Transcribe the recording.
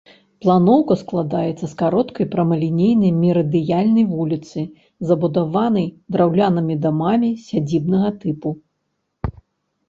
Планоўка складаецца з кароткай прамалінейнай, мерыдыянальнай вуліцы, забудаванай драўлянымі дамамі сядзібнага тыпу.